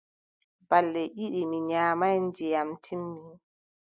Balɗe ɗiɗi mi nyaamaay, ndiyam timmi.